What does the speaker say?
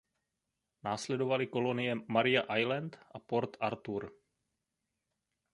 Následovaly kolonie Maria Island a Port Arthur.